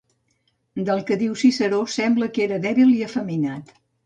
Del que diu Ciceró sembla que era dèbil i efeminat.